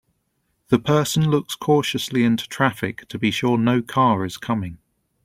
The person looks cautiously into traffic to be sure no car is coming.